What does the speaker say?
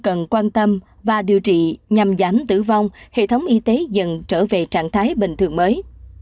cần quan tâm và điều trị nhằm giảm tử vong hệ thống y tế dần trở về trạng thái bình thường mới